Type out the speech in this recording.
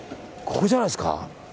ここじゃないですか。